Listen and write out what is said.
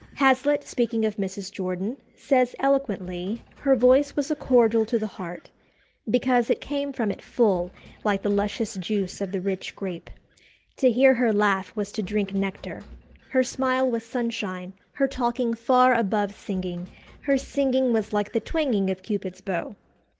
Hazlitt, speaking of Mrs. Jordan, says eloquently, her voice "was a cordial to the heart, because it came from it full, like the luscious juice of the rich grape. To hear her laugh was to drink nectar. Her smile was sunshine; her talking far above singing; her singing was like the twanging of Cupid's bow.